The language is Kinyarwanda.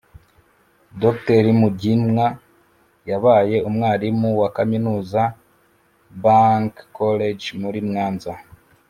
Dr Mgimwa yabaye umwarimu wa kaminuza Bank College muri Mwanza